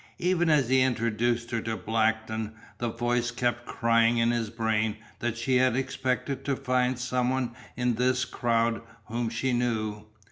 Even as he introduced her to Blackton the voice kept crying in his brain that she had expected to find some one in this crowd whom she knew.